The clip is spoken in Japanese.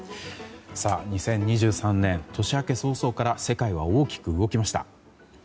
２０２３年、年明け早々から世界は大きく動きました。